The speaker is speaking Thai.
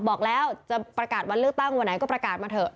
บอกแล้วจะประกาศวันเลือกตั้งวันไหนก็ประกาศมาเถอะ